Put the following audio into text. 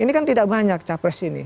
ini kan tidak banyak capres ini